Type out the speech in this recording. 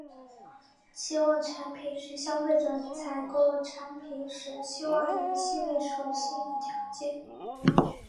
期望产品是消费者采购产品时期望的一系列属性和条件。